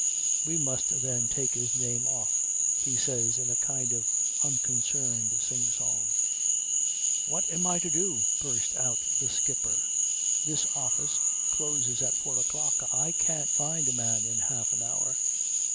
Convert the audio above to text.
"We must then take his name off," he says in a kind of unconcerned sing song. "What am I to do?" burst out the skipper. "This office closes at four o'clock. I can't find a man in half an hour."